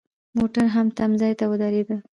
موټر مو تم ځای کې ودراوه.